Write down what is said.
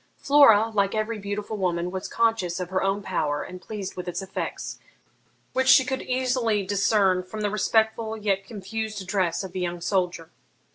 Flora, like every beautiful woman, was conscious of her own power, and pleased with its effects, which she could easily discern from the respectful yet confused address of the young soldier.